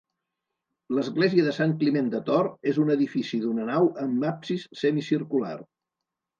L'església de Sant Climent de Tor és un edifici d'una nau amb absis semicircular.